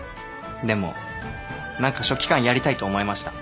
でも何か書記官やりたいと思えました。